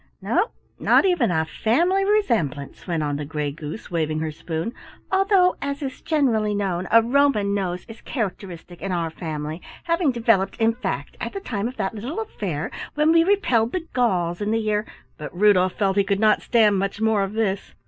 "No, not even a family resemblance," went on the Gray Goose, waving her spoon, "although, as is generally known, a Roman nose is characteristic in our family, having developed in fact at the time of that little affair when we repelled the Gauls in the year " But Rudolf felt he could not stand much more of this.